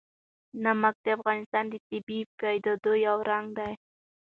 نمک د افغانستان د طبیعي پدیدو یو رنګ دی.